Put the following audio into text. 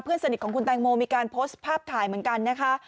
เพื่อนสนิทของคุณแตงโมมีการโพสต์ภาพถ่ายเหมือนกันนะคะ